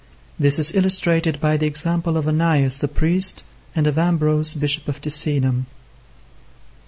This is illustrated by the example of Onias the priest, and of Ambrose, bishop of Ticinum.